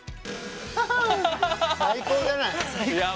最高じゃない。